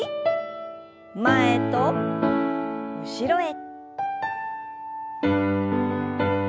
前と後ろへ。